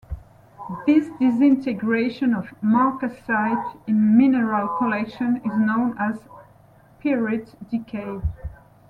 This disintegration of marcasite in mineral collections is known as "pyrite decay".